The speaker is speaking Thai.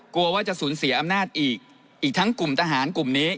กลัวว่าจะสูญเสียอำนาจอีกอีกทั้งกลุ่มทหารกลุ่มนี้